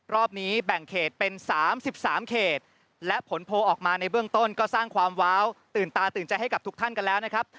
รอบนี้แบ่งเขตเป็น๓๓เขตและผลโพลออกมาในเบื้องต้นก็สร้างความว้าวตื่นตาตื่นใจให้กับทุกท่านกันแล้วนะครับ